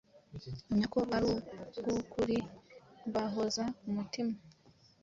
mpamya ko ari ubw’ukuri, mbahoza ku mutima,